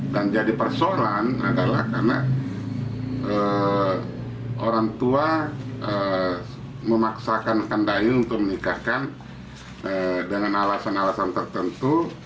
dan jadi persoalan adalah karena orang tua memaksakan kendahian untuk menikahkan dengan alasan alasan tertentu